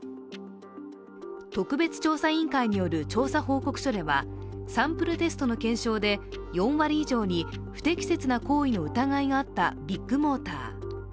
特別調査委員会による調査報告書では、サンプルテストの検証で４割以上に不適切な行為の疑いがあったビッグモーター。